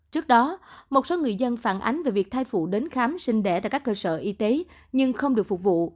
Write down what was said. trước đó một số người dân phản ánh về việc thai phụ đến khám sinh đẻ tại các cơ sở y tế nhưng không được phục vụ